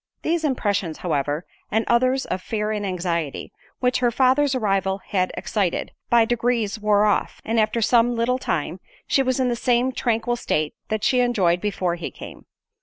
These impressions however, and others of fear and anxiety, which her father's arrival had excited, by degrees wore off; and after some little time, she was in the same tranquil state that she enjoyed before he came.